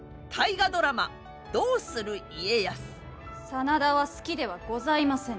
真田は好きではございませぬ。